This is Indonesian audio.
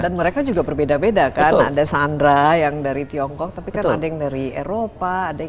dan mereka juga berbeda beda kan ada sandra yang dari tiongkok tapi kan ada yang dari eropa